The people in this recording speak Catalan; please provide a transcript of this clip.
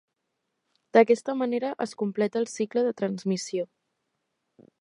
D'aquesta manera es completa el cicle de transmissió.